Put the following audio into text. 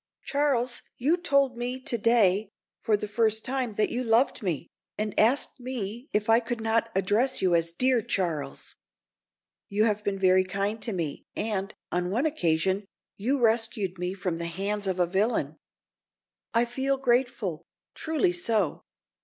"Charles, you told me to day for the first time, that you loved me, and asked me if I could not address you as dear Charles. You have been very kind to me, and, on one occasion, you rescued me from the hands of a villain. I feel grateful—truly so.